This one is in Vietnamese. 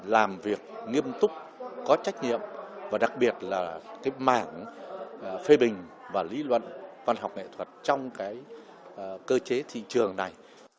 làm việc nghiêm túc có trách nhiệm và đặc biệt là cái mảng phê bình và lý luận văn học nghệ thuật trong cái cơ chế thị trường này